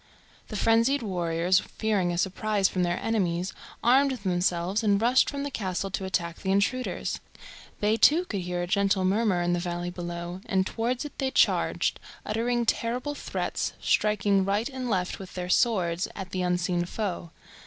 The frenzied warriors, fearing a surprise from their enemies, armed themselves and rushed from the castle to attack the intruders. They, too, could hear a gentle murmur in the valley below, and towards it they charged, uttering terrible threats, striking right and left with their swords at the unseen foe.